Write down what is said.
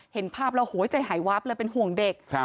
เห็นภาพแล้วโหใจหายวาบเลยเป็นห่วงเด็ก